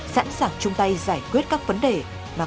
sẵn sàng chung tay giải quyết các vấn đề